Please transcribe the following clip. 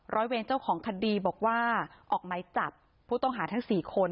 เวรเจ้าของคดีบอกว่าออกไม้จับผู้ต้องหาทั้ง๔คน